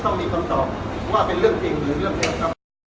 ต้องมีคำตอบว่าเป็นเรื่องจริงหรือเรื่องอะไรครับ